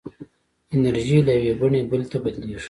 انرژي له یوې بڼې بلې ته بدلېږي.